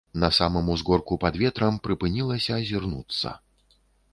На самым узгорку пад ветрам прыпынілася азірнуцца.